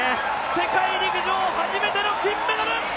世界陸上初めての金メダル！